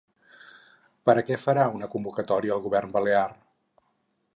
Per a què farà una convocatòria el govern balear?